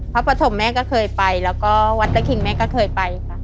ปฐมแม่ก็เคยไปแล้วก็วัดตะคิงแม่ก็เคยไปค่ะ